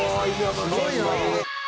すごいな！